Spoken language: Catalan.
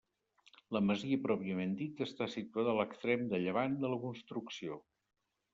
La masia pròpiament dita està situada a l'extrem de llevant de la construcció.